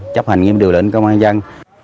chấp hành nghiêm điều lệnh công an dân